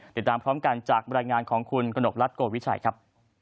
ติดตามพร้อมกันจากบรรยายงานของคุณกนกรัฐโกวิชัยครับ